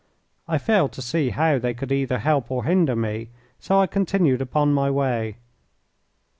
I failed to see how they could either help or hinder me, so I continued upon my way.